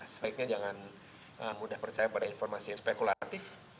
sebaiknya jangan mudah percaya pada informasi yang spekulatif